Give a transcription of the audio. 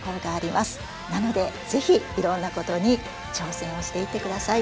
なのでぜひいろんなことに挑戦をしていって下さい。